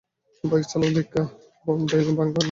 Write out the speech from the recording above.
Bike চালাও দেইক্ষা কি, দেয়াল ভাঙবা নাকি।